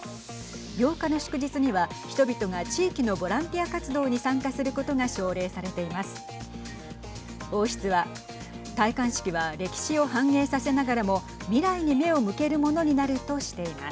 ８日の祝日には人々が地域のボランティア活動に参加することが奨励されています。